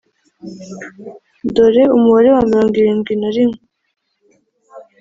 dore umubare wa mirongo irindwi na rimwe